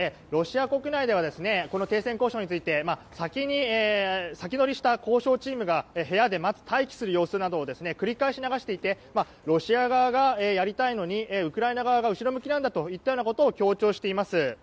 ロシア国内では停戦交渉について先乗りした交渉チームが部屋で待機する様子などを繰り返し流していて、ロシア側がやりたいのにウクライナ側が後ろ向きだといったことを強調しています。